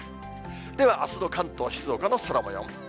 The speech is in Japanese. ではあすの関東、静岡の空もよう。